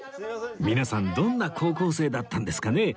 皆さんどんな高校生だったんですかね